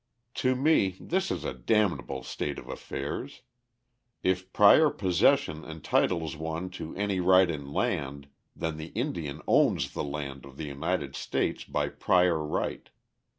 To me this is a damnable state of affairs. If prior possession entitles one to any right in land, then the Indian owns the land of the United States by prior right.